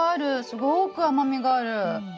すごく甘みがある。